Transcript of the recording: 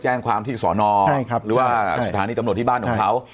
แจ้งความที่สอนอหรือว่าสถานีตำรวจที่บ้านของเขา